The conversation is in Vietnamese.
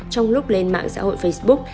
trong lúc lên mạng xã hội facebook